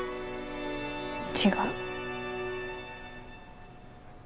違う。